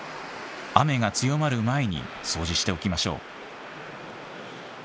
雨が強まる前に掃除しておきましょう。